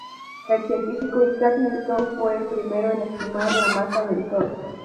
El científico Isaac Newton fue el primero en estimar la masa del Sol.